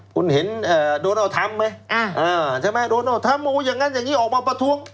คุณเห็นโดนออธรรมไหมโดนออธรรมอย่างนั้นอย่างนี้ออกมาประท้วง